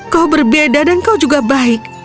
kau berbeda dan kau juga baik